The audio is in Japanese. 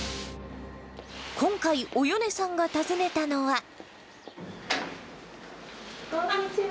今回、およねさんが訪ねたのは。